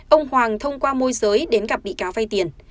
ông hoàng thông qua môi giới đến gặp bị cáo vay tiền